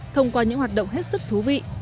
thông qua những hoạt động hết sức thú vị